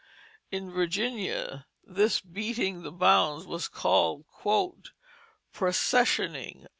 In Virginia this beating the bounds was called "processioning."